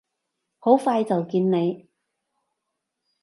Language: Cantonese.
好快就見你！